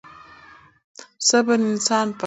صبر انسان پخوي.